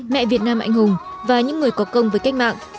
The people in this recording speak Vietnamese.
mẹ việt nam anh hùng và những người có công với cách mạng